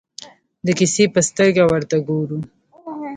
د کیسې په سترګه ورته ګورو.